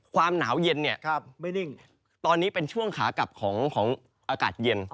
ความหนาวเย็นเนี่ยตอนนี้เป็นช่วงขากลับของอากาศเย็น